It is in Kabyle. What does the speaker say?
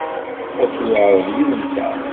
Ad turareḍ yid-nteɣ?